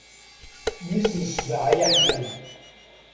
Mmi-s n sbeɛ ay aḥmam.